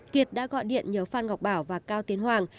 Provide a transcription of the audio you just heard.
kiệt đã gọi điện nhờ phan ngọc bảo và cao tiến hoàng